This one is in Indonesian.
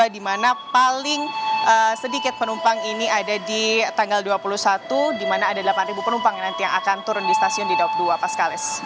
di mana paling sedikit penumpang ini ada di tanggal dua puluh satu di mana ada delapan penumpang yang nanti yang akan turun di stasiun di daup dua pascales